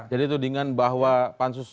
jadi tudingan bahwa pansus